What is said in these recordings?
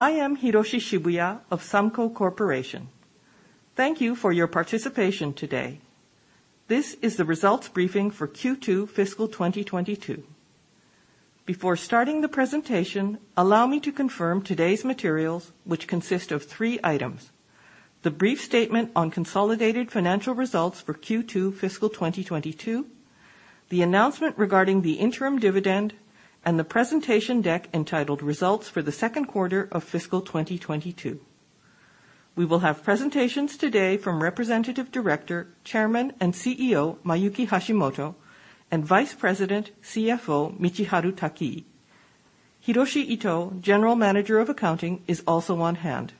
I am Hiroshi Shibaya of Sumco Corporation. Thank you for your participation today. This is the results briefing for Q2 fiscal 2022. Before starting the presentation, allow me to confirm today's materials which consist of three items, the brief statement on consolidated financial results for Q2 fiscal 2022, the announcement regarding the interim dividend, and the presentation deck entitled Results for the Second Quarter of Fiscal 2022. We will have presentations today from Representative Director, Chairman, and CEO Mayuki Hashimoto and Vice President, CFO Michiharu Takii. Hiroshi Ito, General Manager of Accounting, is also on hand.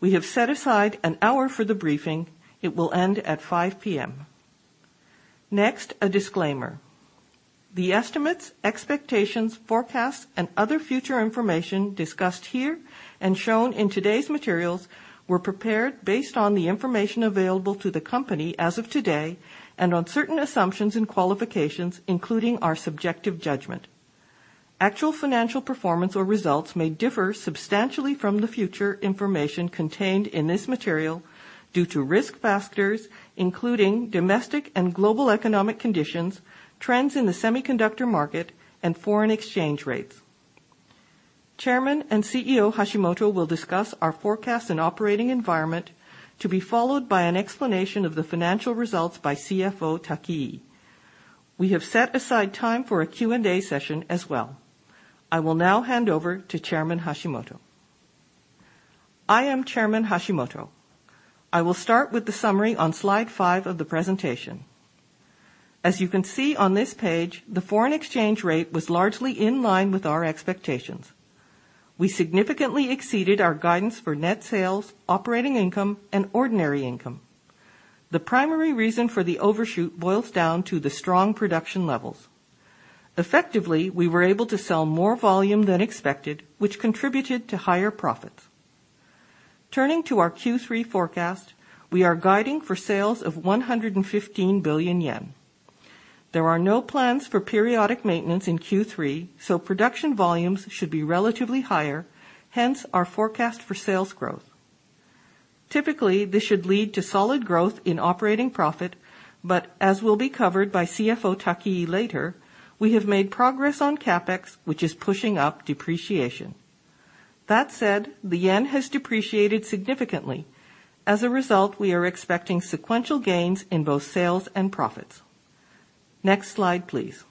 We have set aside an hour for the briefing. It will end at 5:00 P.M. Next, a disclaimer. The estimates, expectations, forecasts, and other future information discussed here and shown in today's materials were prepared based on the information available to the company as of today and on certain assumptions and qualifications, including our subjective judgment. Actual financial performance or results may differ substantially from the future information contained in this material due to risk factors, including domestic and global economic conditions, trends in the semiconductor market, and foreign exchange rates. Chairman and CEO Hashimoto will discuss our forecast and operating environment, to be followed by an explanation of the financial results by CFO Takii. We have set aside time for a Q&A session as well. I will now hand over to Chairman Hashimoto. I am Chairman Hashimoto. I will start with the summary on slide five of the presentation. As you can see on this page, the foreign exchange rate was largely in line with our expectations. We significantly exceeded our guidance for net sales, operating income, and ordinary income. The primary reason for the overshoot boils down to the strong production levels. Effectively, we were able to sell more volume than expected, which contributed to higher profits. Turning to our Q3 forecast, we are guiding for sales of 115 billion yen. There are no plans for periodic maintenance in Q3, so production volumes should be relatively higher, hence our forecast for sales growth. Typically, this should lead to solid growth in operating profit, but as will be covered by CFO Takii later, we have made progress on CapEx, which is pushing up depreciation. That said, the yen has depreciated significantly. As a result, we are expecting sequential gains in both sales and profits. Next slide, please.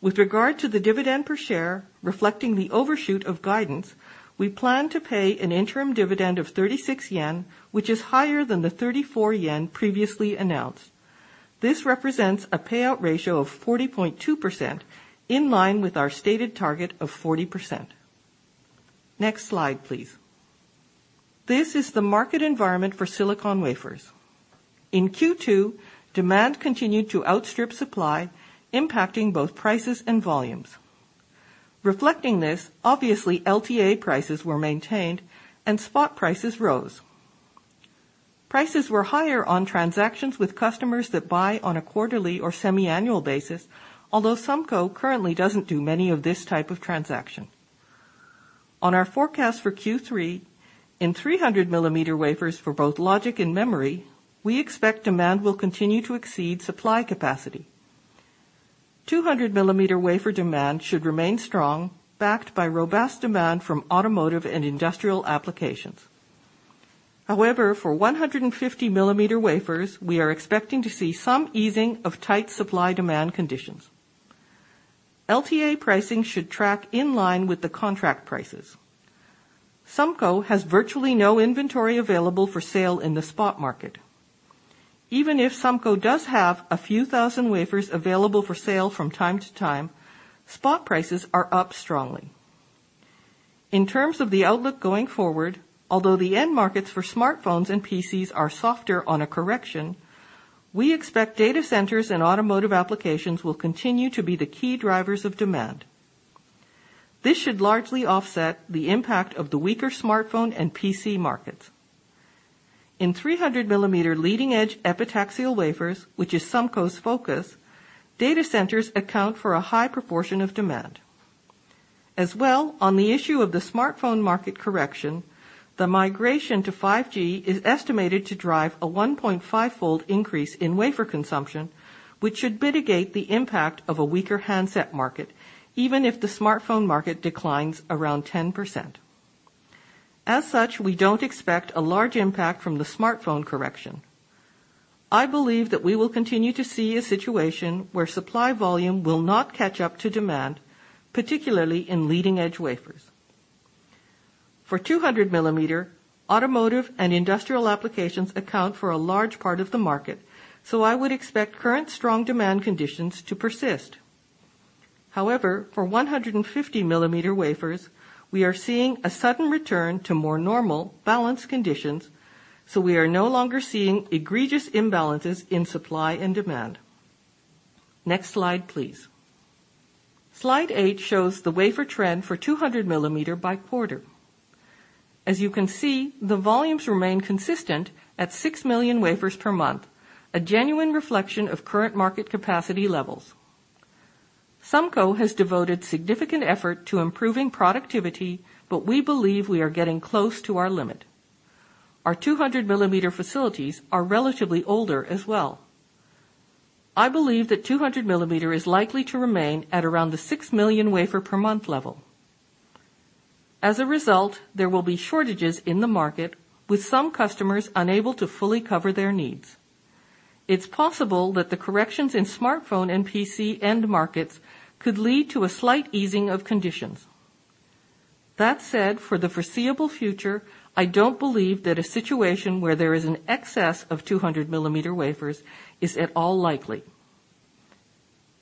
With regard to the dividend per share reflecting the overshoot of guidance, we plan to pay an interim dividend of 36 yen, which is higher than the 34 yen previously announced. This represents a payout ratio of 40.2% in line with our stated target of 40%. Next slide, please. This is the market environment for silicon wafers. In Q2, demand continued to outstrip supply, impacting both prices and volumes. Reflecting this, obviously LTA prices were maintained and spot prices rose. Prices were higher on transactions with customers that buy on a quarterly or semi-annual basis. Although Sumco currently doesn't do many of this type of transaction. On our forecast for Q3, in 300 mm wafers for both logic and memory, we expect demand will continue to exceed supply capacity. 200-mm wafer demand should remain strong, backed by robust demand from automotive and industrial applications. However, for 150-mm wafers, we are expecting to see some easing of tight supply-demand conditions. LTA pricing should track in line with the contract prices. Sumco has virtually no inventory available for sale in the spot market. Even if Sumco does have a few thousand wafers available for sale from time to time, spot prices are up strongly. In terms of the outlook going forward, although the end markets for smartphones and PCs are softer on a correction, we expect data centers and automotive applications will continue to be the key drivers of demand. This should largely offset the impact of the weaker smartphone and PC markets. In 300-mm leading-edge epitaxial wafers, which is Sumco's focus, data centers account for a high proportion of demand. As well, on the issue of the smartphone market correction, the migration to 5G is estimated to drive a 1.5-fold increase in wafer consumption, which should mitigate the impact of a weaker handset market even if the smartphone market declines around 10%. As such, we don't expect a large impact from the smartphone correction. I believe that we will continue to see a situation where supply volume will not catch up to demand, particularly in leading-edge wafers. For 200-mm, automotive and industrial applications account for a large part of the market, so I would expect current strong demand conditions to persist. However, for 150-mm wafers, we are seeing a sudden return to more normal balanced conditions, so we are no longer seeing egregious imbalances in supply and demand. Next slide, please. Slide eight shows the wafer trend for 200 mm by quarter. As you can see, the volumes remain consistent at 6 million wafers per month, a genuine reflection of current market capacity levels. Sumco has devoted significant effort to improving productivity, but we believe we are getting close to our limit. Our 200 mm facilities are relatively older as well. I believe that 200 mm is likely to remain at around the 6 million wafer per month level. As a result, there will be shortages in the market, with some customers unable to fully cover their needs. It's possible that the corrections in smartphone and PC end markets could lead to a slight easing of conditions. That said, for the foreseeable future, I don't believe that a situation where there is an excess of 200 mm wafers is at all likely.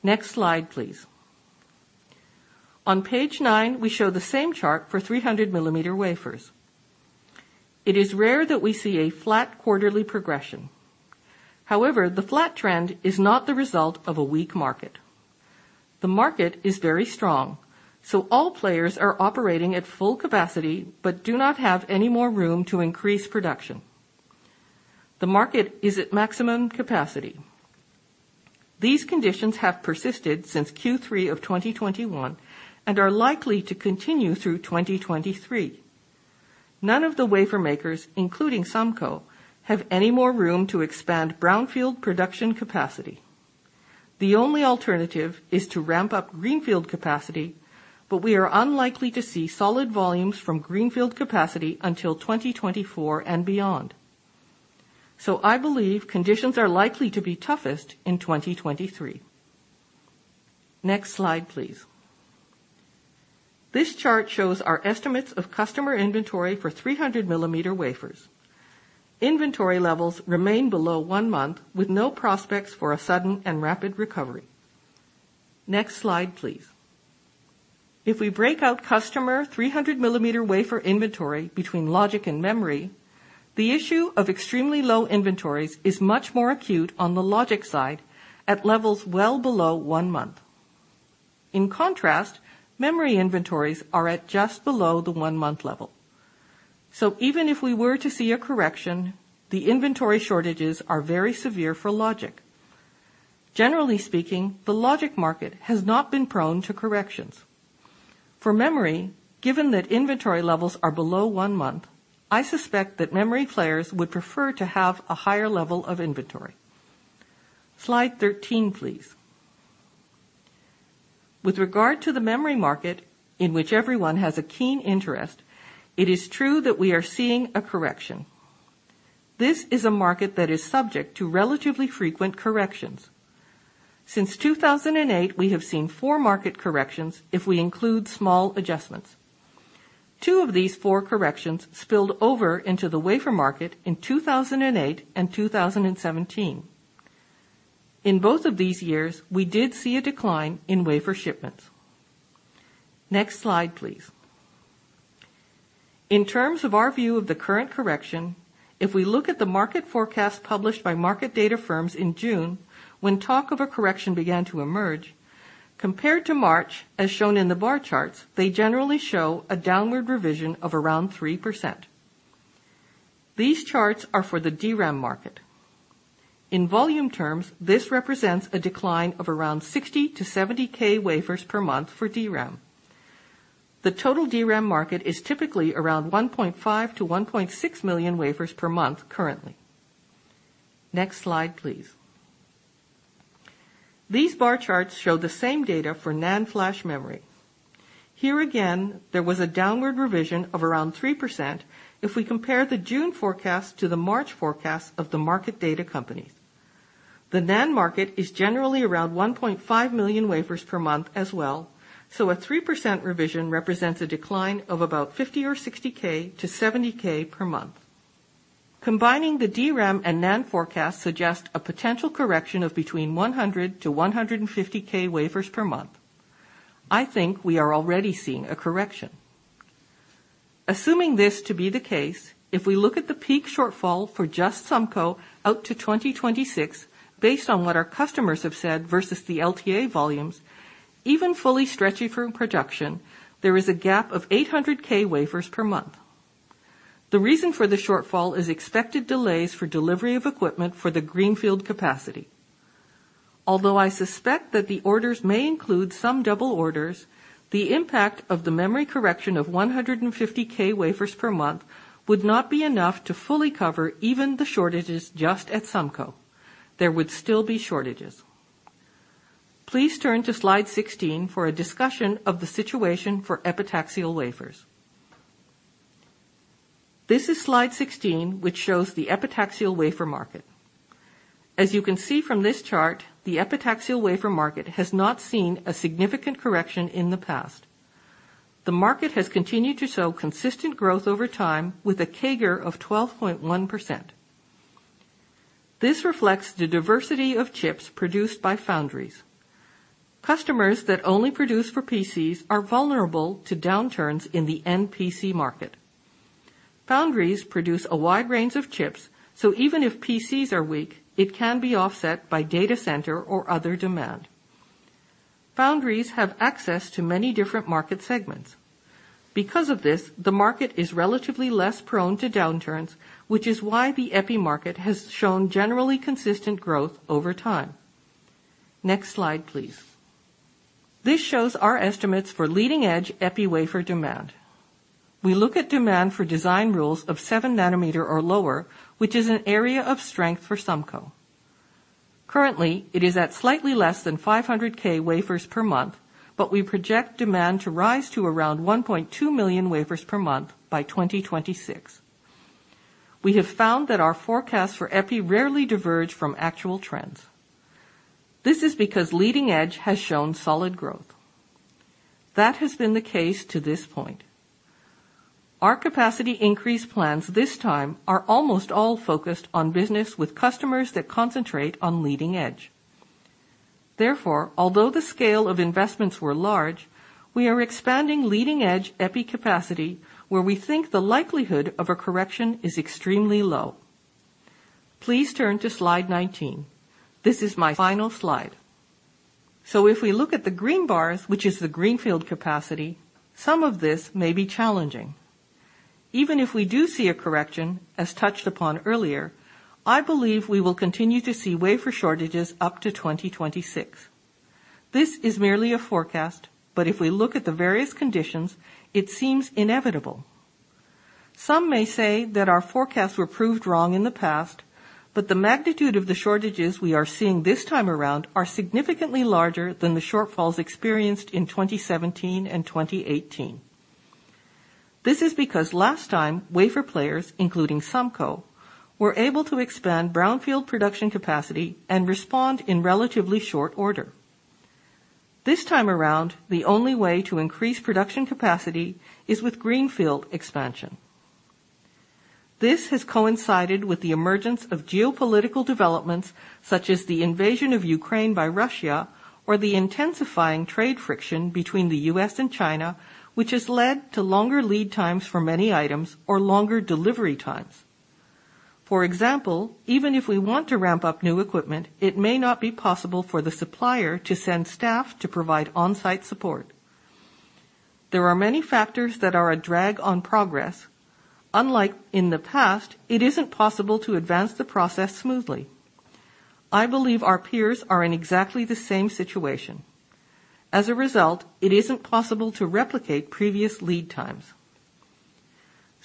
Next slide, please. On page nine, we show the same chart for 300-mm wafers. It is rare that we see a flat quarterly progression. However, the flat trend is not the result of a weak market. The market is very strong, so all players are operating at full capacity but do not have any more room to increase production. The market is at maximum capacity. These conditions have persisted since Q3 of 2021 and are likely to continue through 2023. None of the wafer makers, including Sumco, have any more room to expand brownfield production capacity. The only alternative is to ramp up greenfield capacity, but we are unlikely to see solid volumes from greenfield capacity until 2024 and beyond. I believe conditions are likely to be toughest in 2023. Next slide, please. This chart shows our estimates of customer inventory for 300-mm wafers. Inventory levels remain below one month with no prospects for a sudden and rapid recovery. Next slide, please. If we break out customer 300 mm wafer inventory between logic and memory, the issue of extremely low inventories is much more acute on the logic side at levels well below one month. In contrast, memory inventories are at just below the one-month level. Even if we were to see a correction, the inventory shortages are very severe for logic. Generally speaking, the logic market has not been prone to corrections. For memory, given that inventory levels are below one month, I suspect that memory players would prefer to have a higher level of inventory. Slide 13, please. With regard to the memory market in which everyone has a keen interest, it is true that we are seeing a correction. This is a market that is subject to relatively frequent corrections. Since 2008, we have seen four market corrections if we include small adjustments. Two of these four corrections spilled over into the wafer market in 2008 and 2017. In both of these years, we did see a decline in wafer shipments. Next slide, please. In terms of our view of the current correction, if we look at the market forecast published by market data firms in June, when talk of a correction began to emerge, compared to March, as shown in the bar charts, they generally show a downward revision of around 3%. These charts are for the DRAM market. In volume terms, this represents a decline of around 60,000-70,000 wafers per month for DRAM. The total DRAM market is typically around 1.5 million-1.6 million wafers per month currently. Next slide, please. These bar charts show the same data for NAND flash memory. Here again, there was a downward revision of around 3% if we compare the June forecast to the March forecast of the market data company. The NAND market is generally around 1.5 million wafers per month as well. A 3% revision represents a decline of about 50,000 or 60,000 to 70,000 per month. Combining the DRAM and NAND forecast suggest a potential correction of between 100,000-150,000 wafers per month. I think we are already seeing a correction. Assuming this to be the case, if we look at the peak shortfall for just Sumco out to 2026, based on what our customers have said versus the LTA volumes, even fully stretching from production, there is a gap of 800,000 wafers per month. The reason for the shortfall is expected delays for delivery of equipment for the greenfield capacity. Although I suspect that the orders may include some double orders, the impact of the memory correction of 150,000 wafers per month would not be enough to fully cover even the shortages just at Sumco. There would still be shortages. Please turn to slide 16 for a discussion of the situation for epitaxial wafers. This is slide 16, which shows the epitaxial wafer market. As you can see from this chart, the epitaxial wafer market has not seen a significant correction in the past. The market has continued to show consistent growth over time with a CAGR of 12.1%. This reflects the diversity of chips produced by foundries. Customers that only produce for PCs are vulnerable to downturns in the PC market. Foundries produce a wide range of chips, so even if PCs are weak, it can be offset by data center or other demand. Foundries have access to many different market segments. Because of this, the market is relatively less prone to downturns, which is why the EPI market has shown generally consistent growth over time. Next slide, please. This shows our estimates for leading-edge EPI wafer demand. We look at demand for design rules of 7 nm or lower, which is an area of strength for Sumco. Currently, it is at slightly less than 500,000 wafers per month, but we project demand to rise to around 1.2 million wafers per month by 2026. We have found that our forecasts for EPI rarely diverge from actual trends. This is because leading edge has shown solid growth. That has been the case to this point. Our capacity increase plans this time are almost all focused on business with customers that concentrate on leading edge. Therefore, although the scale of investments were large, we are expanding leading-edge EPI capacity where we think the likelihood of a correction is extremely low. Please turn to slide 19. This is my final slide. If we look at the green bars, which is the greenfield capacity, some of this may be challenging. Even if we do see a correction, as touched upon earlier, I believe we will continue to see wafer shortages up to 2026. This is merely a forecast, but if we look at the various conditions, it seems inevitable. Some may say that our forecasts were proved wrong in the past, but the magnitude of the shortages we are seeing this time around are significantly larger than the shortfalls experienced in 2017 and 2018. This is because last time, wafer players, including Sumco, were able to expand brownfield production capacity and respond in relatively short order. This time around, the only way to increase production capacity is with greenfield expansion. This has coincided with the emergence of geopolitical developments such as the invasion of Ukraine by Russia or the intensifying trade friction between the U.S. and China, which has led to longer lead times for many items or longer delivery times. For example, even if we want to ramp up new equipment, it may not be possible for the supplier to send staff to provide on-site support. There are many factors that are a drag on progress. Unlike in the past, it isn't possible to advance the process smoothly. I believe our peers are in exactly the same situation. As a result, it isn't possible to replicate previous lead times.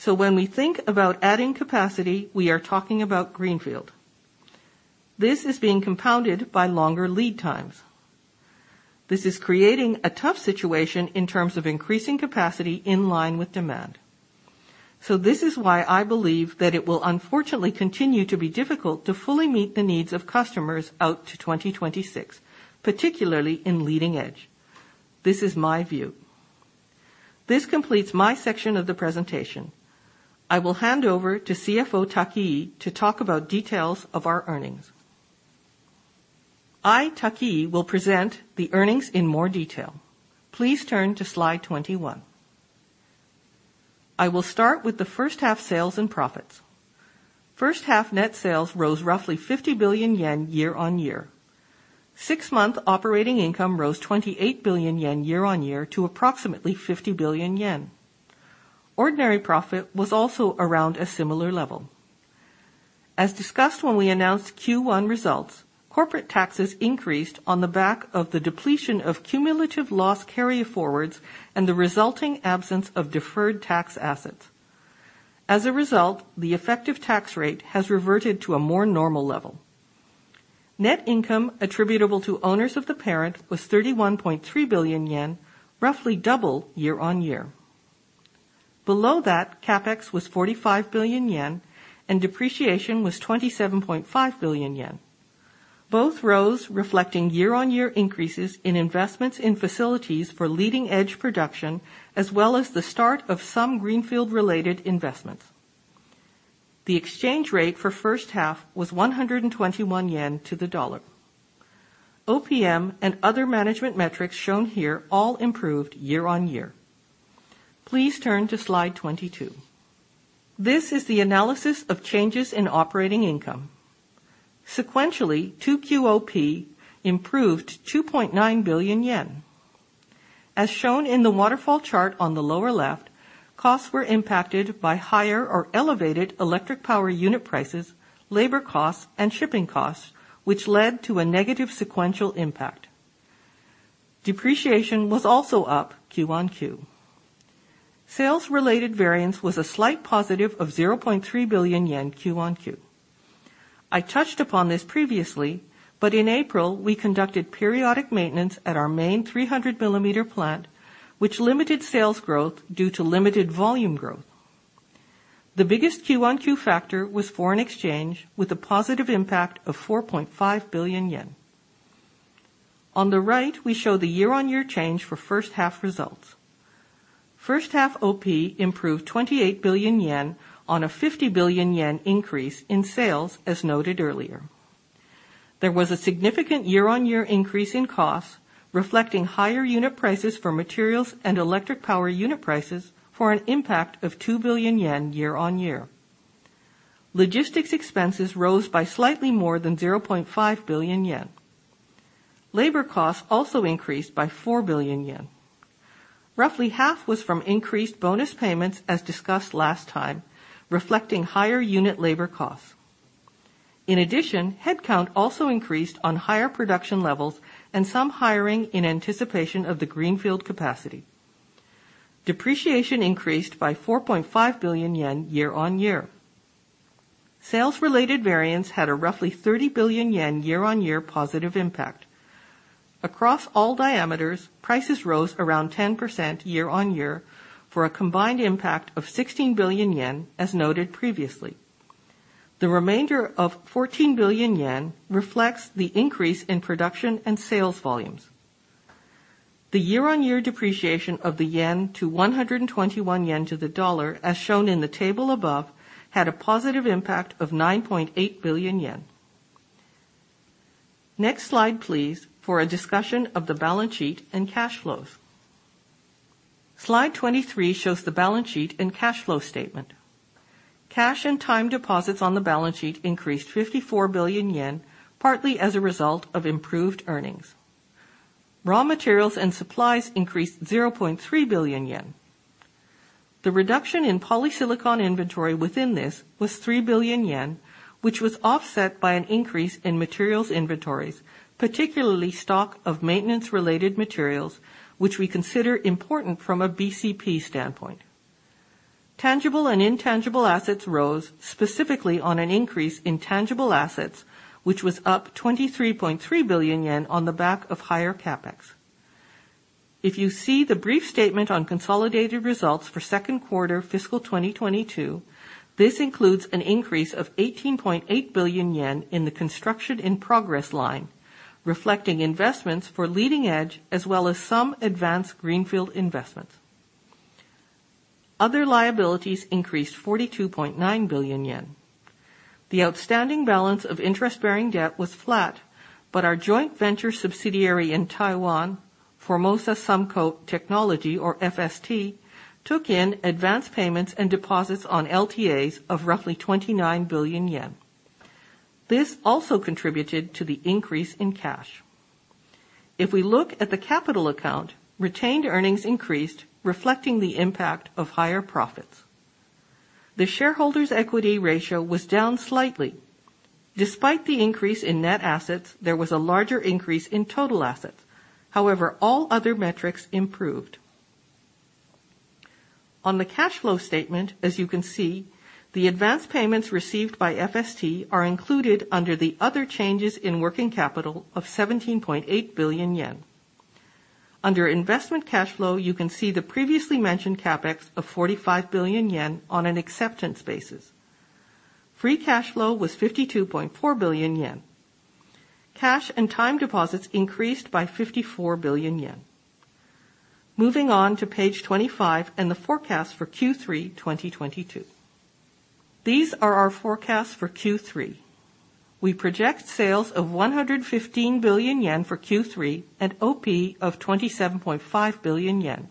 When we think about adding capacity, we are talking about greenfield. This is being compounded by longer lead times. This is creating a tough situation in terms of increasing capacity in line with demand. This is why I believe that it will unfortunately continue to be difficult to fully meet the needs of customers out to 2026, particularly in leading edge. This is my view. This completes my section of the presentation. I will hand over to CFO Takii to talk about details of our earnings. I, Takii, will present the earnings in more detail. Please turn to slide 21. I will start with the first half sales and profits. First half net sales rose roughly 50 billion yen year-over-year. Six-month operating income rose 28 billion yen year-over-year to approximately 50 billion yen. Ordinary profit was also around a similar level. As discussed when we announced Q1 results, corporate taxes increased on the back of the depletion of cumulative loss carryforwards and the resulting absence of deferred tax assets. As a result, the effective tax rate has reverted to a more normal level. Net income attributable to owners of the parent was 31.3 billion yen, roughly double year-on-year. Below that, CapEx was 45 billion yen and depreciation was 27.5 billion yen. Both rose reflecting year-on-year increases in investments in facilities for leading-edge production, as well as the start of some greenfield-related investments. The exchange rate for first half was 121 yen to the dollar. OPM and other management metrics shown here all improved year-on-year. Please turn to slide 22. This is the analysis of changes in operating income. Sequentially, Q-on-Q OP improved 2.9 billion yen. As shown in the waterfall chart on the lower left, costs were impacted by higher or elevated electric power unit prices, labor costs, and shipping costs, which led to a negative sequential impact. Depreciation was also up Q-on-Q. Sales-related variance was a slight positive of 0.3 billion yen Q-on-Q. I touched upon this previously, but in April, we conducted periodic maintenance at our main 300 mm plant, which limited sales growth due to limited volume growth. The biggest Q-on-Q factor was foreign exchange, with a positive impact of 4.5 billion yen. On the right, we show the year-on-year change for first half results. First half OP improved 28 billion yen on a 50 billion yen increase in sales, as noted earlier. There was a significant year-on-year increase in costs reflecting higher unit prices for materials and electric power unit prices for an impact of 2 billion yen year-on-year. Logistics expenses rose by slightly more than 0.5 billion yen. Labor costs also increased by 4 billion yen. Roughly half was from increased bonus payments, as discussed last time, reflecting higher unit labor costs. In addition, headcount also increased on higher production levels and some hiring in anticipation of the greenfield capacity. Depreciation increased by 4.5 billion yen year-on-year. Sales related variance had a roughly 30 billion yen year-on-year positive impact. Across all diameters, prices rose around 10% year-on-year for a combined impact of 16 billion yen, as noted previously. The remainder of 14 billion yen reflects the increase in production and sales volumes. The year-on-year depreciation of the yen to 121 yen to the dollar, as shown in the table above, had a positive impact of 9.8 billion yen. Next slide, please, for a discussion of the balance sheet and cash flows. Slide 23 shows the balance sheet and cash flow statement. Cash and time deposits on the balance sheet increased 54 billion yen, partly as a result of improved earnings. Raw materials and supplies increased 0.3 billion yen. The reduction in polysilicon inventory within this was 3 billion yen, which was offset by an increase in materials inventories, particularly stock of maintenance-related materials, which we consider important from a BCP standpoint. Tangible and intangible assets rose specifically on an increase in tangible assets, which was up 23.3 billion yen on the back of higher CapEx. If you see the brief statement on consolidated results for second quarter fiscal 2022, this includes an increase of 18.8 billion yen in the construction in progress line, reflecting investments for leading edge as well as some advanced Greenfield investments. Other liabilities increased 42.9 billion yen. The outstanding balance of interest-bearing debt was flat, but our joint venture subsidiary in Taiwan, Formosa Sumco Technology, or FST, took in advance payments and deposits on LTAs of roughly 29 billion yen. This also contributed to the increase in cash. If we look at the capital account, retained earnings increased, reflecting the impact of higher profits. The shareholders equity ratio was down slightly. Despite the increase in net assets, there was a larger increase in total assets. However, all other metrics improved. On the cash flow statement, as you can see, the advanced payments received by FST are included under the other changes in working capital of 17.8 billion yen. Under investment cash flow, you can see the previously mentioned CapEx of 45 billion yen on an acceptance basis. Free cash flow was 52.4 billion yen. Cash and time deposits increased by 54 billion yen. Moving on to page 25 and the forecast for Q3 2022. These are our forecasts for Q3. We project sales of 115 billion yen for Q3 and OP of 27.5 billion yen.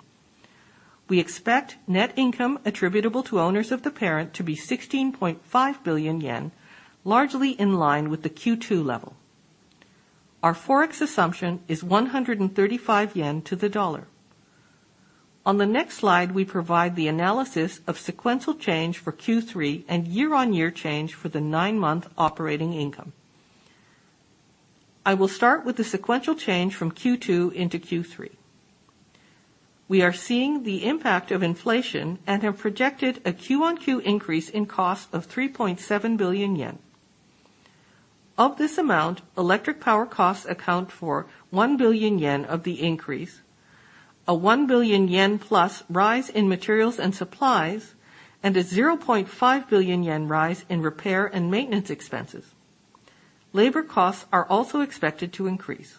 We expect net income attributable to owners of the parent to be 16.5 billion yen, largely in line with the Q2 level. Our Forex assumption is 135 yen to the dollar. On the next slide, we provide the analysis of sequential change for Q3 and year-on-year change for the nine-month operating income. I will start with the sequential change from Q2 into Q3. We are seeing the impact of inflation and have projected a Q-on-Q increase in cost of 3.7 billion yen. Of this amount, electric power costs account for 1 billion yen of the increase, a 1 billion yen plus rise in materials and supplies, and a 0.5 billion yen rise in repair and maintenance expenses. Labor costs are also expected to increase.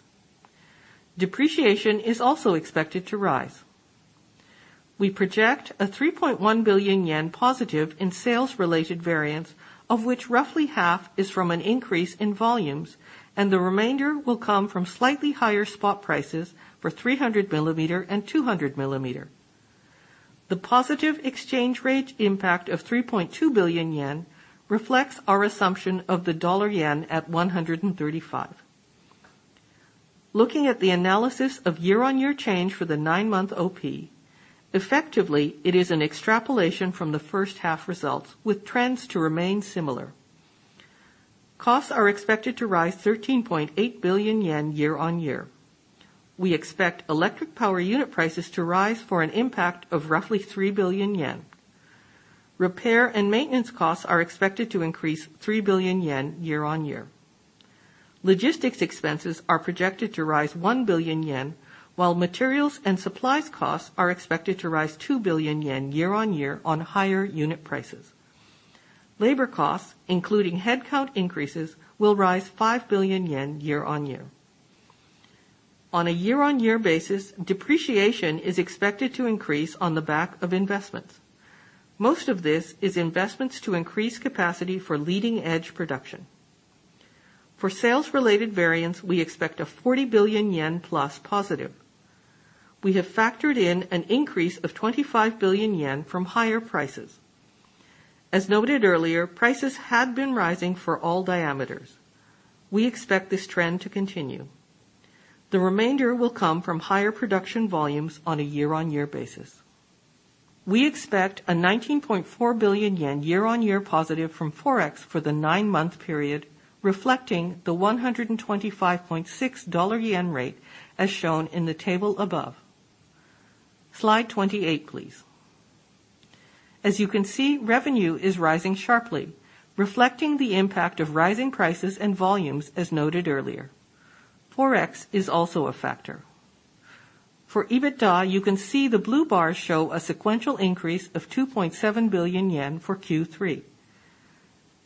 Depreciation is also expected to rise. We project a 3.1 billion yen positive in sales-related variants, of which roughly half is from an increase in volumes, and the remainder will come from slightly higher spot prices for 300 mm and 200 mm. The positive exchange rate impact of 3.2 billion yen reflects our assumption of the dollar/yen at 135. Looking at the analysis of year-on-year change for the nine-month OP, effectively, it is an extrapolation from the first half results with trends to remain similar. Costs are expected to rise 13.8 billion yen year-on-year. We expect electric power unit prices to rise for an impact of roughly 3 billion yen. Repair and maintenance costs are expected to increase 3 billion yen year-on-year. Logistics expenses are projected to rise 1 billion yen, while materials and supplies costs are expected to rise 2 billion yen year-on-year on higher unit prices. Labor costs, including headcount increases, will rise 5 billion yen year-on-year. On a year-on-year basis, depreciation is expected to increase on the back of investments. Most of this is investments to increase capacity for leading edge production. For sales-related variance, we expect a 40 billion yen plus positive. We have factored in an increase of 25 billion yen from higher prices. As noted earlier, prices had been rising for all diameters. We expect this trend to continue. The remainder will come from higher production volumes on a year-on-year basis. We expect a 19.4 billion yen year-on-year positive from forex for the nine-month period, reflecting the 125.6 dollar-yen rate as shown in the table above. Slide 28, please. As you can see, revenue is rising sharply, reflecting the impact of rising prices and volumes as noted earlier. Forex is also a factor. For EBITDA, you can see the blue bars show a sequential increase of 2.7 billion yen for Q3.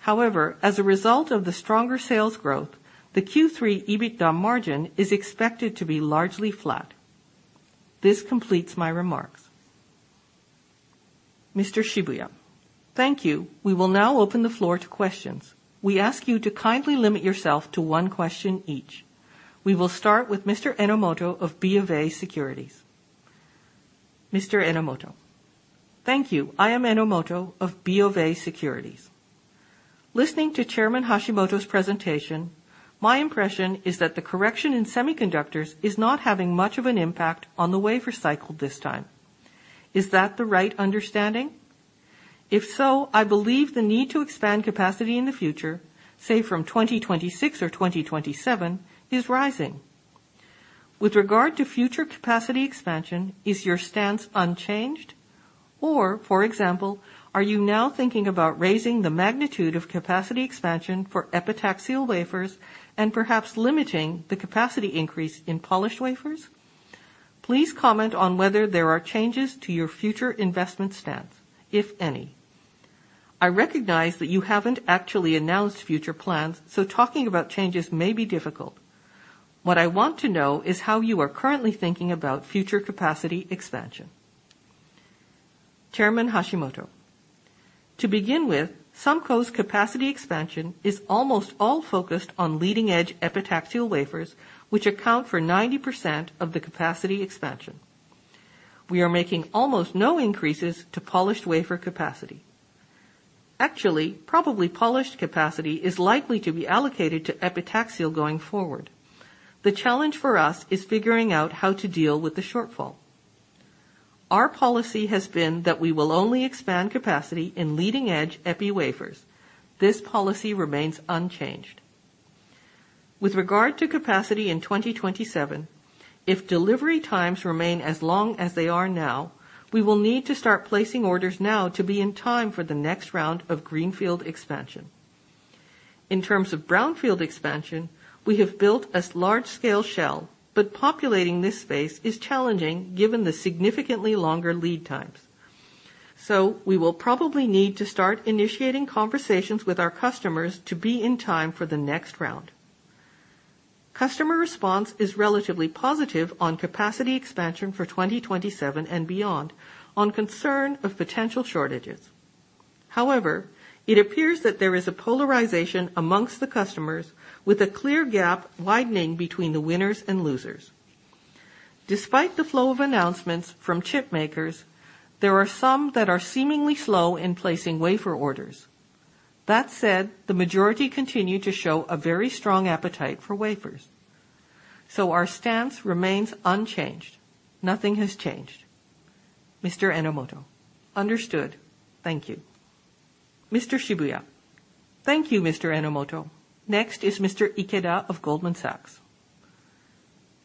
However, as a result of the stronger sales growth, the Q3 EBITDA margin is expected to be largely flat. This completes my remarks. Mr. Shibaya. Thank you. We will now open the floor to questions. We ask you to kindly limit yourself to one question each. We will start with Mr. Enomoto of BofA Securities. Thank you. I am Enomoto of BofA Securities. Listening to Chairman Hashimoto's presentation, my impression is that the correction in semiconductors is not having much of an impact on the wafer cycle this time. Is that the right understanding? If so, I believe the need to expand capacity in the future, say from 2026 or 2027, is rising. With regard to future capacity expansion, is your stance unchanged? For example, are you now thinking about raising the magnitude of capacity expansion for epitaxial wafers and perhaps limiting the capacity increase in polished wafers? Please comment on whether there are changes to your future investment stance, if any. I recognize that you haven't actually announced future plans, so talking about changes may be difficult. What I want to know is how you are currently thinking about future capacity expansion. To begin with, Sumco's capacity expansion is almost all focused on leading-edge epitaxial wafers, which account for 90% of the capacity expansion. We are making almost no increases to polished wafer capacity. Actually, probably polished capacity is likely to be allocated to epitaxial going forward. The challenge for us is figuring out how to deal with the shortfall. Our policy has been that we will only expand capacity in leading-edge epi wafers. This policy remains unchanged. With regard to capacity in 2027, if delivery times remain as long as they are now, we will need to start placing orders now to be in time for the next round of greenfield expansion. In terms of brownfield expansion, we have built a large-scale shell, but populating this space is challenging given the significantly longer lead times. We will probably need to start initiating conversations with our customers to be in time for the next round. Customer response is relatively positive on capacity expansion for 2027 and beyond on concern of potential shortages. However, it appears that there is a polarization among the customers with a clear gap widening between the winners and losers. Despite the flow of announcements from chip makers, there are some that are seemingly slow in placing wafer orders. That said, the majority continue to show a very strong appetite for wafers. Our stance remains unchanged. Nothing has changed. Understood. Thank you. Thank you, Mr. Enomoto. Next is Mr. Ikeda of Goldman Sachs.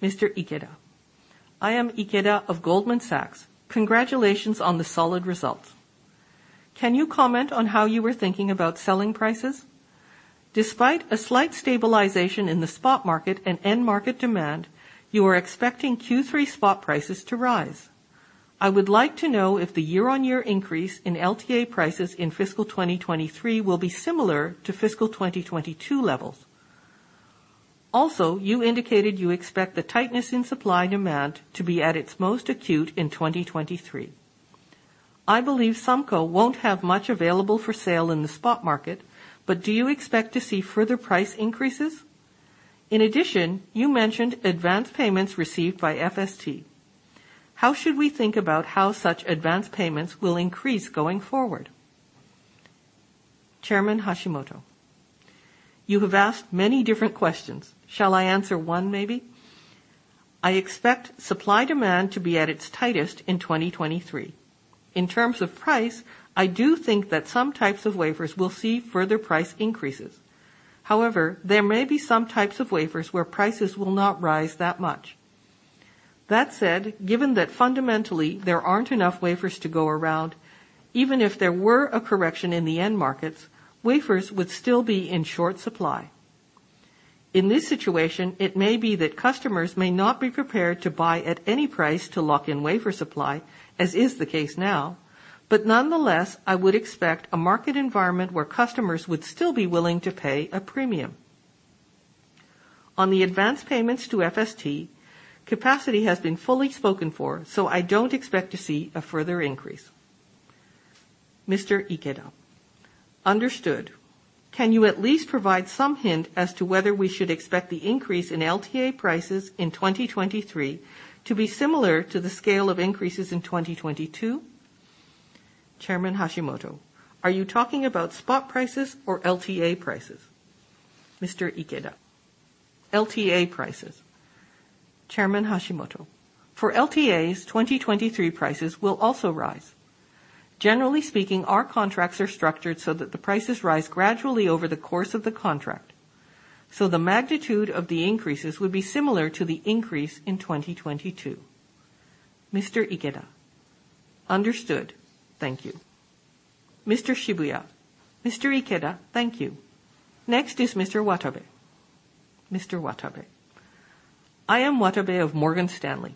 I am Ikeda of Goldman Sachs. Congratulations on the solid results. Can you comment on how you were thinking about selling prices? Despite a slight stabilization in the spot market and end market demand, you are expecting Q3 spot prices to rise. I would like to know if the year-over-year increase in LTA prices in fiscal 2023 will be similar to fiscal 2022 levels. Also, you indicated you expect the tightness in supply demand to be at its most acute in 2023. I believe Sumco won't have much available for sale in the spot market, but do you expect to see further price increases? In addition, you mentioned advance payments received by FST. How should we think about how such advance payments will increase going forward? You have asked many different questions. Shall I answer one, maybe? I expect supply-demand to be at its tightest in 2023. In terms of price, I do think that some types of wafers will see further price increases. However, there may be some types of wafers where prices will not rise that much. That said, given that fundamentally there aren't enough wafers to go around, even if there were a correction in the end markets, wafers would still be in short supply. In this situation, it may be that customers may not be prepared to buy at any price to lock in wafer supply, as is the case now. Nonetheless, I would expect a market environment where customers would still be willing to pay a premium. On the advance payments to FST, capacity has been fully spoken for, so I don't expect to see a further increase. Understood. Can you at least provide some hint as to whether we should expect the increase in LTA prices in 2023 to be similar to the scale of increases in 2022? Are you talking about spot prices or LTA prices? LTA prices. For LTAs, 2023 prices will also rise. Generally speaking, our contracts are structured so that the prices rise gradually over the course of the contract, so the magnitude of the increases would be similar to the increase in 2022. Understood. Thank you. Mr. Ikeda, thank you. Next is Mr. Watabe. I am Watabe of Morgan Stanley.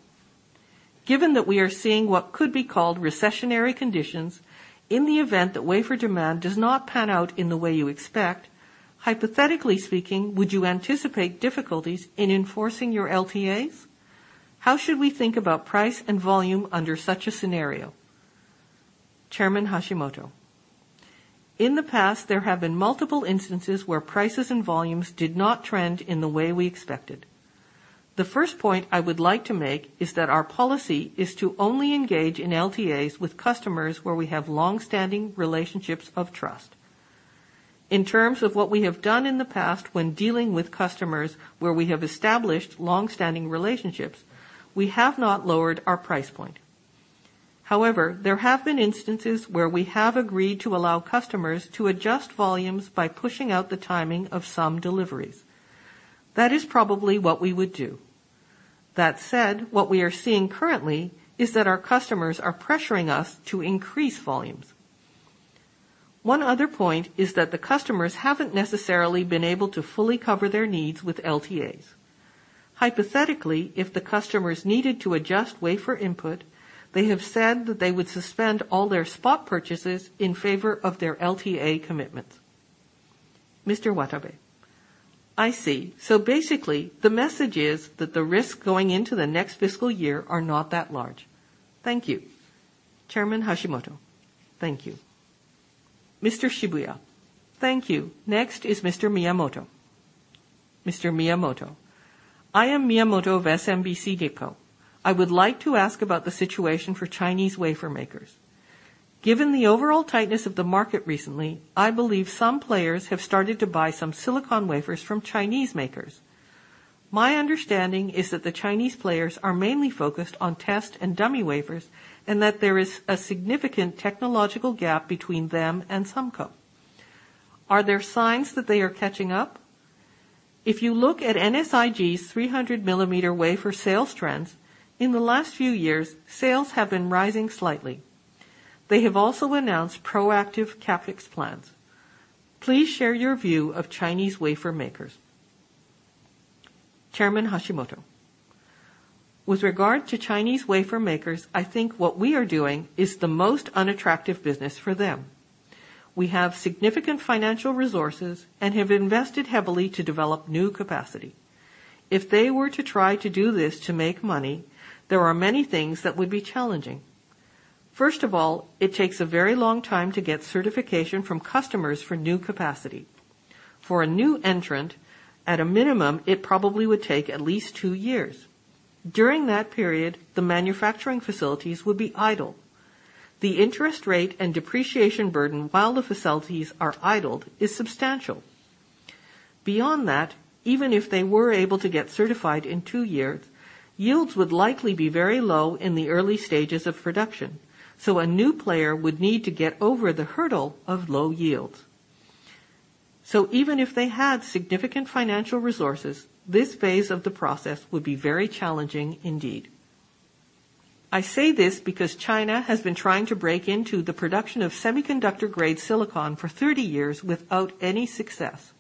Given that we are seeing what could be called recessionary conditions, in the event that wafer demand does not pan out in the way you expect, hypothetically speaking, would you anticipate difficulties in enforcing your LTAs? How should we think about price and volume under such a scenario? In the past, there have been multiple instances where prices and volumes did not trend in the way we expected. The first point I would like to make is that our policy is to only engage in LTAs with customers where we have long-standing relationships of trust. In terms of what we have done in the past when dealing with customers where we have established long-standing relationships, we have not lowered our price point. However, there have been instances where we have agreed to allow customers to adjust volumes by pushing out the timing of some deliveries. That is probably what we would do. That said, what we are seeing currently is that our customers are pressuring us to increase volumes. One other point is that the customers haven't necessarily been able to fully cover their needs with LTAs. Hypothetically, if the customers needed to adjust wafer input, they have said that they would suspend all their spot purchases in favor of their LTA commitments. I see. So basically, the message is that the risks going into the next fiscal year are not that large. Thank you. Thank you. Thank you. Next is Mr. Miyamoto. I am Miyamoto of SMBC Nikko. I would like to ask about the situation for Chinese wafer makers. Given the overall tightness of the market recently, I believe some players have started to buy some silicon wafers from Chinese makers. My understanding is that the Chinese players are mainly focused on test and dummy wafers, and that there is a significant technological gap between them and Sumco. Are there signs that they are catching up? If you look at NSIG's 300 mm wafer sales trends, in the last few years, sales have been rising slightly. They have also announced proactive CapEx plans. Please share your view of Chinese wafer makers. With regard to Chinese wafer makers, I think what we are doing is the most unattractive business for them. We have significant financial resources and have invested heavily to develop new capacity. If they were to try to do this to make money, there are many things that would be challenging. First of all, it takes a very long time to get certification from customers for new capacity. For a new entrant, at a minimum, it probably would take at least two years. During that period, the manufacturing facilities would be idle. The interest rate and depreciation burden while the facilities are idled is substantial. Beyond that, even if they were able to get certified in two years, yields would likely be very low in the early stages of production, so a new player would need to get over the hurdle of low yields. Even if they had significant financial resources, this phase of the process would be very challenging indeed. I say this because China has been trying to break into the production of semiconductor-grade silicon for 30 years without any success.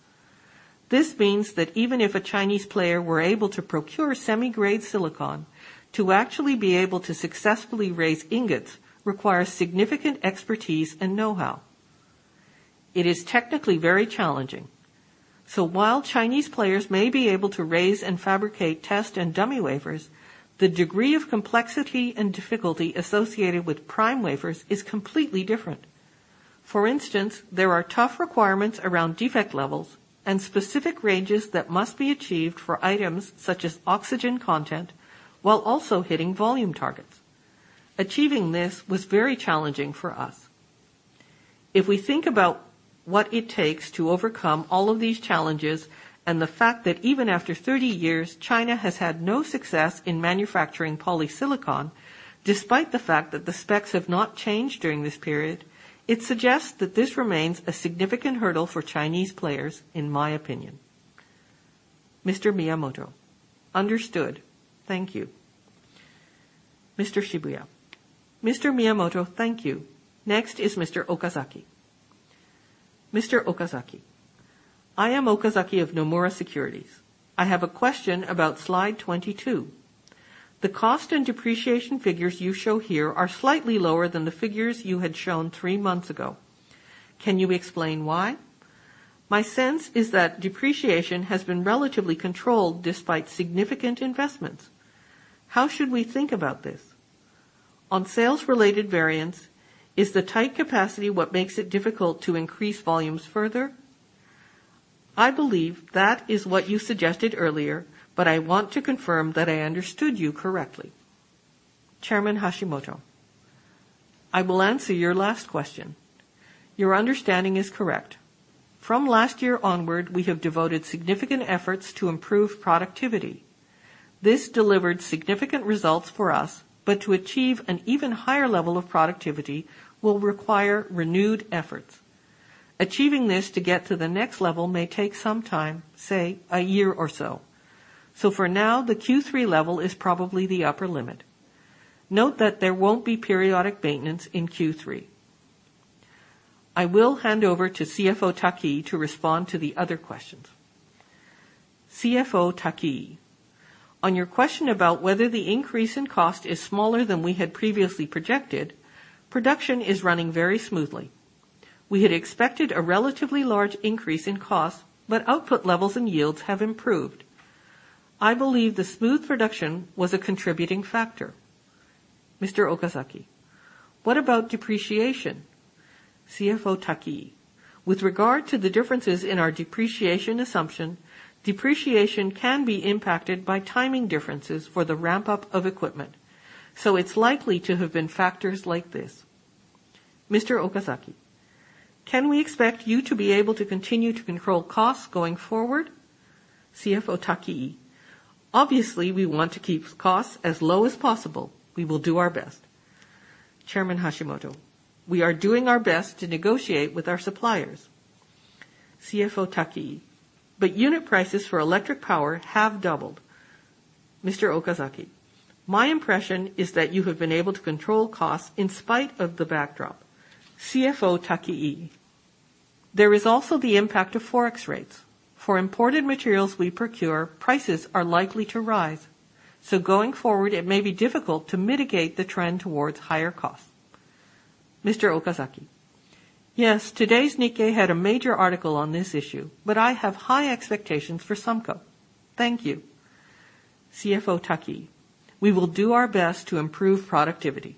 This means that even if a Chinese player were able to procure semiconductor-grade silicon, to actually be able to successfully raise ingots requires significant expertise and know-how. It is technically very challenging. While Chinese players may be able to raise and fabricate test and dummy wafers, the degree of complexity and difficulty associated with prime wafers is completely different. For instance, there are tough requirements around defect levels and specific ranges that must be achieved for items such as oxygen content while also hitting volume targets. Achieving this was very challenging for us. If we think about what it takes to overcome all of these challenges and the fact that even after 30 years, China has had no success in manufacturing polysilicon, despite the fact that the specs have not changed during this period, it suggests that this remains a significant hurdle for Chinese players, in my opinion. Understood. Thank you. Mr. Miyamoto, thank you. Next is Mr. Okazaki. I am Okazaki of Nomura Securities. I have a question about slide 22. The cost and depreciation figures you show here are slightly lower than the figures you had shown three months ago. Can you explain why? My sense is that depreciation has been relatively controlled despite significant investments. How should we think about this? On sales related variance, is the tight capacity what makes it difficult to increase volumes further? I believe that is what you suggested earlier, but I want to confirm that I understood you correctly. I will answer your last question. Your understanding is correct. From last year onward, we have devoted significant efforts to improve productivity. This delivered significant results for us, but to achieve an even higher level of productivity will require renewed efforts. Achieving this to get to the next level may take some time, say a year or so. For now, the Q3 level is probably the upper limit. Note that there won't be periodic maintenance in Q3. I will hand over to CFO Takii to respond to the other questions. On your question about whether the increase in cost is smaller than we had previously projected, production is running very smoothly. We had expected a relatively large increase in costs, but output levels and yields have improved. I believe the smooth production was a contributing factor. What about depreciation? With regard to the differences in our depreciation assumption, depreciation can be impacted by timing differences for the ramp-up of equipment. It's likely to have been factors like this. Can we expect you to be able to continue to control costs going forward? Obviously, we want to keep costs as low as possible. We will do our best. We are doing our best to negotiate with our suppliers. Unit prices for electric power have doubled. My impression is that you have been able to control costs in spite of the backdrop. There is also the impact of Forex rates. For imported materials we procure, prices are likely to rise, so going forward it may be difficult to mitigate the trend towards higher costs. Yes. Today's Nikkei had a major article on this issue, but I have high expectations for Sumco. Thank you. We will do our best to improve productivity.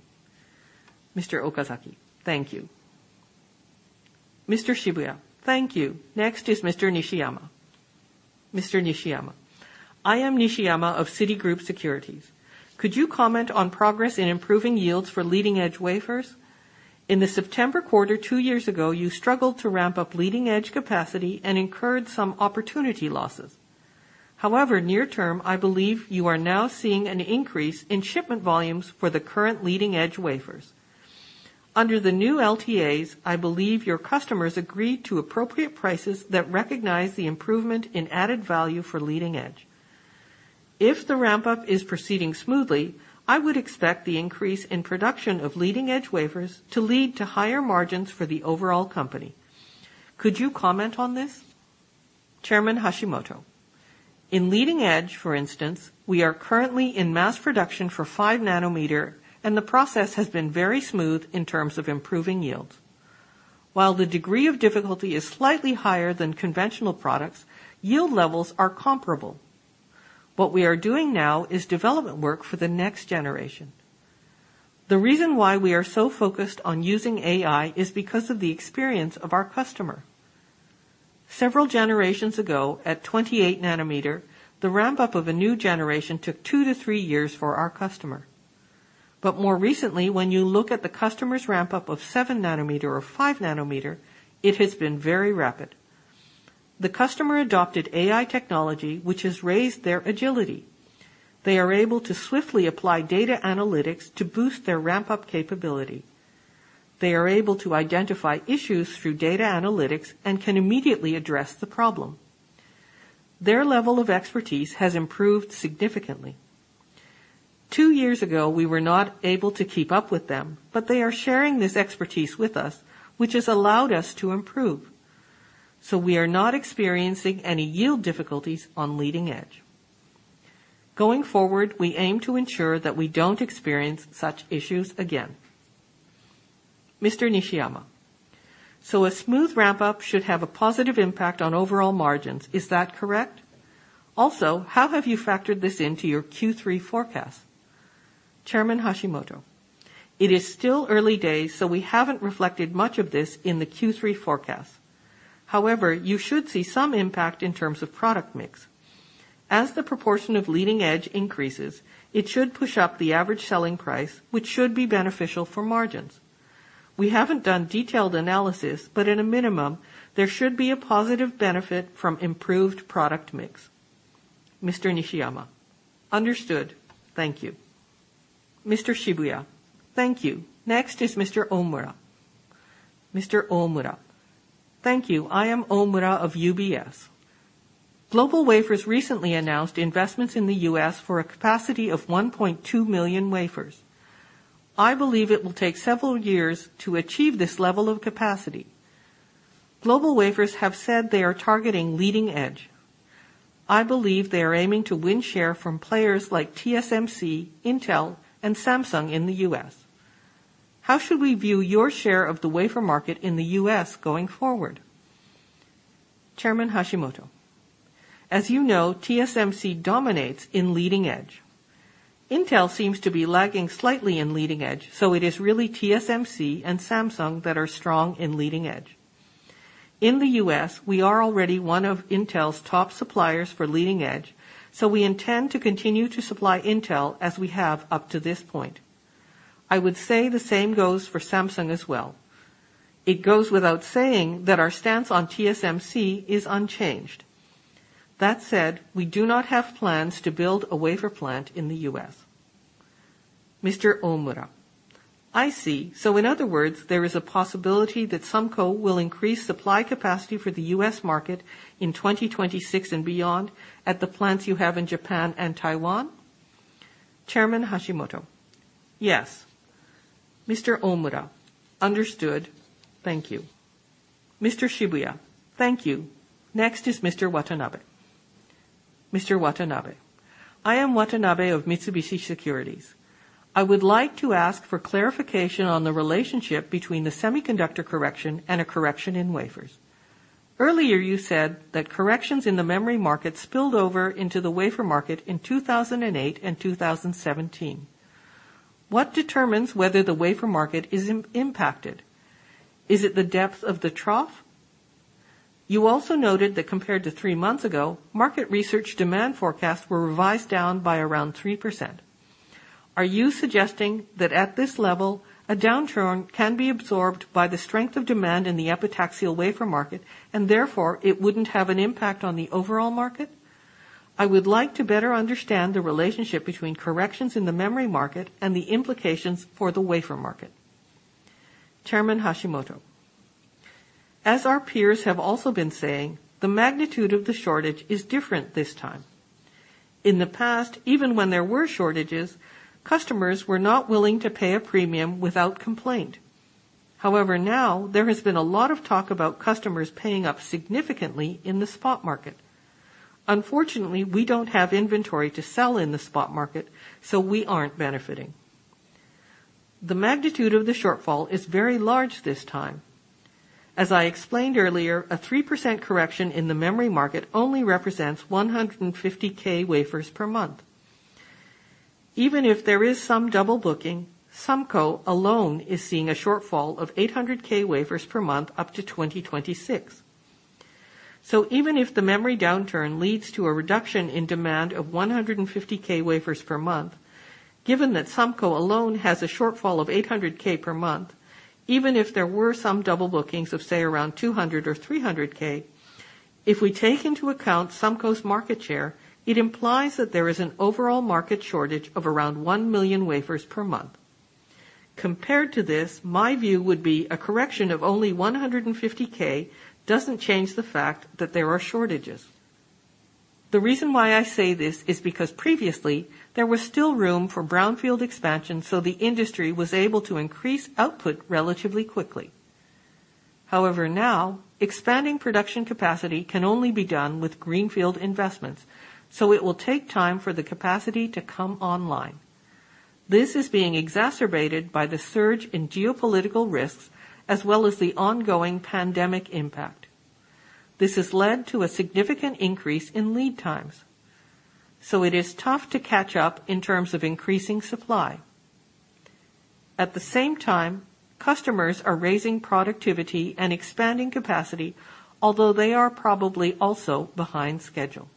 Thank you. Thank you. Next is Mr. Nishiyama. I am Nishiyama of Citigroup Securities. Could you comment on progress in improving yields for leading-edge wafers? In the September quarter two years ago, you struggled to ramp up leading-edge capacity and incurred some opportunity losses. However, near term, I believe you are now seeing an increase in shipment volumes for the current leading-edge wafers. Under the new LTAs, I believe your customers agreed to appropriate prices that recognize the improvement in added value for leading edge. If the ramp-up is proceeding smoothly, I would expect the increase in production of leading-edge wafers to lead to higher margins for the overall company. Could you comment on this? In leading edge, for instance, we are currently in mass production for 5-nm, and the process has been very smooth in terms of improving yields. While the degree of difficulty is slightly higher than conventional products, yield levels are comparable. What we are doing now is development work for the next generation. The reason why we are so focused on using AI is because of the experience of our customer. Several generations ago, at 28 nm, the ramp-up of a new generation took two to three years for our customer. More recently, when you look at the customer's ramp-up of 7 nm or 5 nm, it has been very rapid. The customer adopted AI technology, which has raised their agility. They are able to swiftly apply data analytics to boost their ramp-up capability. They are able to identify issues through data analytics and can immediately address the problem. Their level of expertise has improved significantly. Two years ago, we were not able to keep up with them, but they are sharing this expertise with us, which has allowed us to improve. We are not experiencing any yield difficulties on leading edge. Going forward, we aim to ensure that we don't experience such issues again. So a smooth ramp-up should have a positive impact on overall margins. Is that correct? Also, how have you factored this into your Q3 forecast? It is still early days, so we haven't reflected much of this in the Q3 forecast. However, you should see some impact in terms of product mix. As the proportion of leading edge increases, it should push up the average selling price, which should be beneficial for margins. We haven't done detailed analysis, but at a minimum, there should be a positive benefit from improved product mix. Understood. Thank you. Mr. Shibaya. Thank you. Next is Mr. Omura. Thank you. I am Omura of UBS. GlobalWafers recently announced investments in the U.S. for a capacity of 1.2 million wafers. I believe it will take several years to achieve this level of capacity. GlobalWafers have said they are targeting leading edge. I believe they are aiming to win share from players like TSMC, Intel, and Samsung in the U.S. How should we view your share of the wafer market in the U.S. going forward? As you know, TSMC dominates in leading edge. Intel seems to be lagging slightly in leading edge, so it is really TSMC and Samsung that are strong in leading edge. In the U.S., we are already one of Intel's top suppliers for leading edge, so we intend to continue to supply Intel as we have up to this point. I would say the same goes for Samsung as well. It goes without saying that our stance on TSMC is unchanged. That said, we do not have plans to build a wafer plant in the U.S. I see. So in other words, there is a possibility that Sumco will increase supply capacity for the U.S. market in 2026 and beyond at the plants you have in Japan and Taiwan. Yes. Understood. Thank you. Thank you. Next is Mr. Watanabe. I am Watanabe of Mitsubishi Securities. I would like to ask for clarification on the relationship between the semiconductor correction and a correction in wafers. Earlier you said that corrections in the memory market spilled over into the wafer market in 2008 and 2017. What determines whether the wafer market is impacted? Is it the depth of the trough? You also noted that compared to three months ago, market research demand forecasts were revised down by around 3%. Are you suggesting that at this level, a downturn can be absorbed by the strength of demand in the epitaxial wafer market, and therefore it wouldn't have an impact on the overall market? I would like to better understand the relationship between corrections in the memory market and the implications for the wafer market. As our peers have also been saying, the magnitude of the shortage is different this time. In the past, even when there were shortages, customers were not willing to pay a premium without complaint. However, now there has been a lot of talk about customers paying up significantly in the spot market. Unfortunately, we don't have inventory to sell in the spot market, so we aren't benefiting. The magnitude of the shortfall is very large this time. As I explained earlier, a 3% correction in the memory market only represents 150,000 wafers per month. Even if there is some double booking, Sumco alone is seeing a shortfall of 800,000 wafers per month up to 2026. Even if the memory downturn leads to a reduction in demand of 150,000 wafers per month, given that Sumco alone has a shortfall of 800,000 per month, even if there were some double bookings of say around 200,000 or 300,000, if we take into account Sumco's market share, it implies that there is an overall market shortage of around 1 million wafers per month. Compared to this, my view would be a correction of only 150,000 doesn't change the fact that there are shortages. The reason why I say this is because previously there was still room for brownfield expansion, so the industry was able to increase output relatively quickly. However, now expanding production capacity can only be done with greenfield investments, so it will take time for the capacity to come online. This is being exacerbated by the surge in geopolitical risks as well as the ongoing pandemic impact. This has led to a significant increase in lead times, so it is tough to catch up in terms of increasing supply. At the same time, customers are raising productivity and expanding capacity, although they are probably also behind schedule.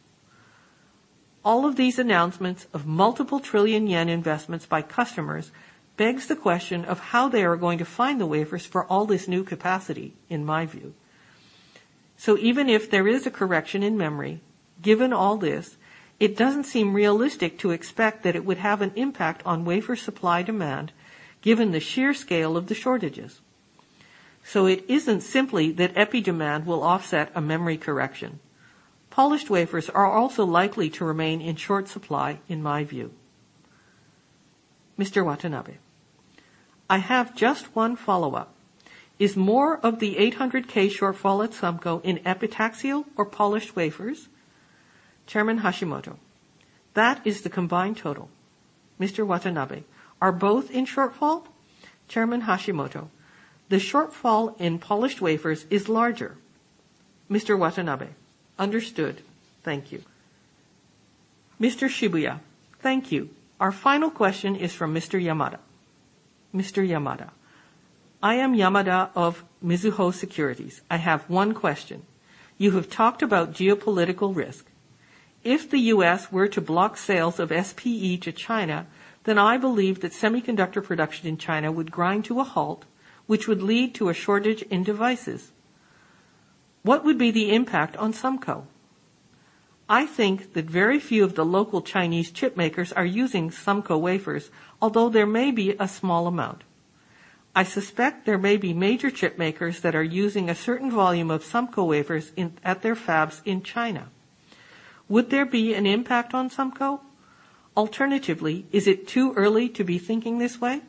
All of these announcements of multiple trillion JPY investments by customers begs the question of how they are going to find the wafers for all this new capacity, in my view. Even if there is a correction in memory, given all this, it doesn't seem realistic to expect that it would have an impact on wafer supply demand given the sheer scale of the shortages. It isn't simply that epi demand will offset a memory correction. Polished wafers are also likely to remain in short supply, in my view. I have just one follow-up. Is more of the 800,000 shortfall at Sumco in epitaxial or polished wafers? That is the combined total. Are both in shortfall? The shortfall in polished wafers is larger. Understood. Thank you. Thank you. Our final question is from Mr. Yamada. I am Yamada of Mizuho Securities. I have one question. You have talked about geopolitical risk. If the U.S. were to block sales of SPE to China, then I believe that semiconductor production in China would grind to a halt, which would lead to a shortage in devices. What would be the impact on Sumco? I think that very few of the local Chinese chip makers are using Sumco wafers, although there may be a small amount. I suspect there may be major chip makers that are using a certain volume of Sumco wafers at their fabs in China. Would there be an impact on Sumco? Alternatively, is it too early to be thinking this way?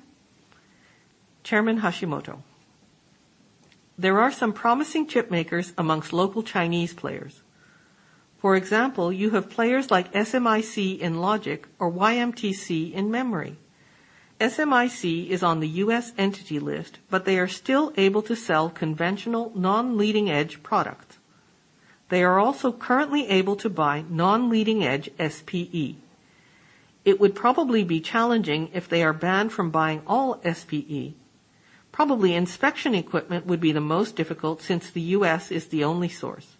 There are some promising chip makers among local Chinese players. For example, you have players like SMIC in Logic or YMTC in Memory. SMIC is on the U.S. entity list, but they are still able to sell conventional non-leading edge products. They are also currently able to buy non-leading edge SPE. It would probably be challenging if they are banned from buying all SPE. Probably inspection equipment would be the most difficult since the U.S. is the only source.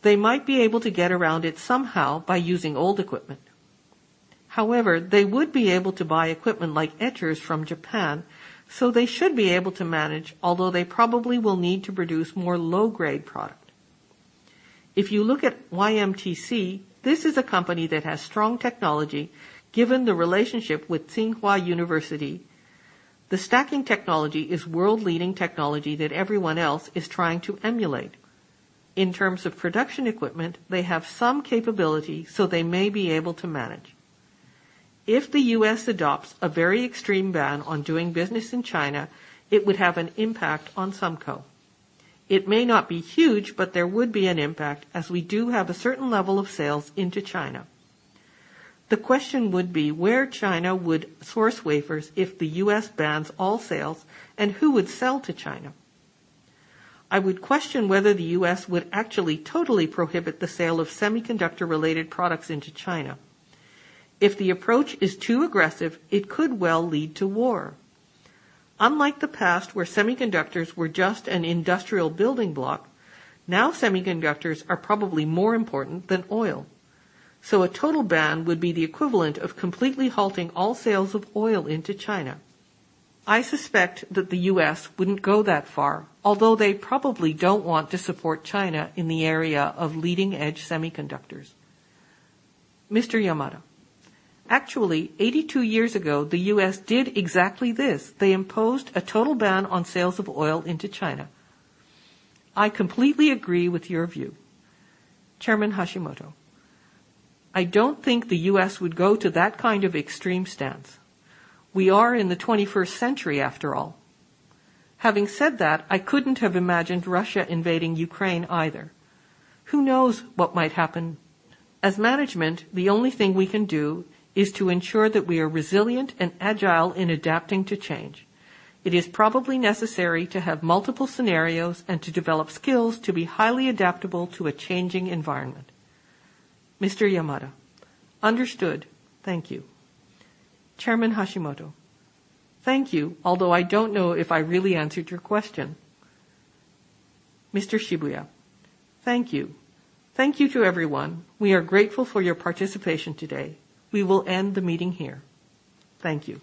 They might be able to get around it somehow by using old equipment. However, they would be able to buy equipment like etchers from Japan, so they should be able to manage, although they probably will need to produce more low-grade product. If you look at YMTC, this is a company that has strong technology, given the relationship with Tsinghua University. The stacking technology is world-leading technology that everyone else is trying to emulate. In terms of production equipment, they have some capability, so they may be able to manage. If the U.S. adopts a very extreme ban on doing business in China, it would have an impact on SUMCO. It may not be huge, but there would be an impact as we do have a certain level of sales into China. The question would be where China would source wafers if the U.S. bans all sales, and who would sell to China. I would question whether the U.S. would actually totally prohibit the sale of semiconductor-related products into China. If the approach is too aggressive, it could well lead to war. Unlike the past where semiconductors were just an industrial building block, now semiconductors are probably more important than oil. A total ban would be the equivalent of completely halting all sales of oil into China. I suspect that the U.S. wouldn't go that far, although they probably don't want to support China in the area of leading-edge semiconductors. Actually, 82 years ago, the U.S. did exactly this. They imposed a total ban on sales of oil into China. I completely agree with your view. I don't think the U.S. would go to that kind of extreme stance. We are in the 21st century, after all. Having said that, I couldn't have imagined Russia invading Ukraine either. Who knows what might happen? As management, the only thing we can do is to ensure that we are resilient and agile in adapting to change. It is probably necessary to have multiple scenarios and to develop skills to be highly adaptable to a changing environment. Understood. Thank you. Thank you. Although I don't know if I really answered your question. Thank you. Thank you to everyone. We are grateful for your participation today. We will end the meeting here. Thank you.